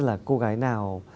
tức là cô gái nào